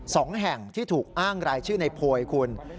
สองแห่งที่ถูกอ้างรายชื่อในโพยคุณ